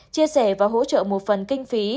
chia sẻ và hỗ trợ một phần kinh phí